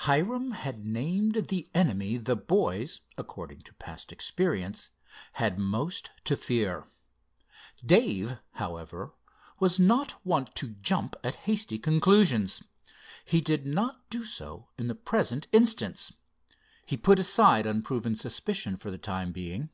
Hiram had named the enemy the boys, according to past experience, had most to fear. Dave, however, was not wont to jump at hasty conclusions. He did not do so in the present instance. He put aside unproven suspicion for the time being.